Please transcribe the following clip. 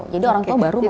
jadi orang tua baru membawa